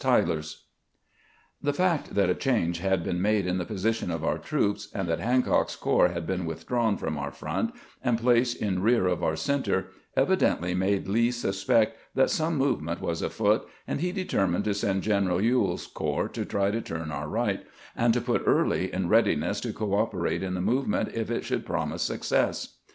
TYLER'S THE fact that a change had been made in the posi tion of our troops, and that Hancock's corps had been withdrawn from our front and placed in rear of our center, evidently made Lee suspect that some movement was afoot, and he determined to send General Ewell's corps to try to turn our right, and to put Early in readiness to cooperate in the movement if it should promise success.